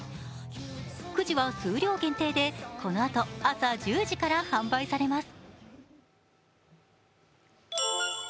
くじは数量限定で、このあと朝１０時から販売されます。